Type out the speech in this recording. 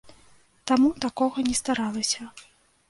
Таму такога не здаралася.